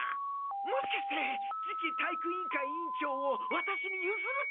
もしかして次期体育委員会委員長をワタシにゆずると？